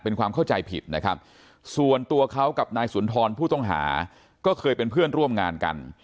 เป็นความเข้าใจผิดนะครับส่วนตัวเขากับนายสุนทรผู้ต้องหาก็เคยเป็นเพื่อนร่วมงานกัน